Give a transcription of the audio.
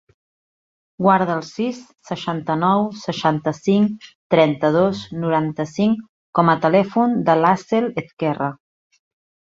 Guarda el sis, seixanta-nou, seixanta-cinc, trenta-dos, noranta-cinc com a telèfon de l'Aseel Ezquerra.